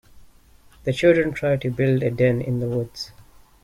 The children tried to build a den in the woods